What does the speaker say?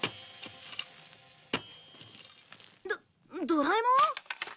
ドドラえもん？